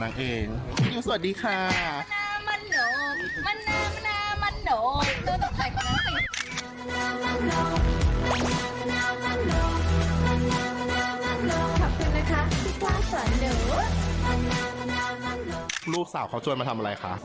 วันนี้เกี่ยวกับกองถ่ายเราจะมาอยู่กับว่าเขาเรียกว่าอะไรอ่ะนางแบบเหรอ